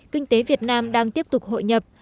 kinh tế việt nam đang tiếp tục hội nhập